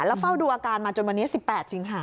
แล้วเฝ้าดูอาการมาจนวันนี้๑๘สิงหา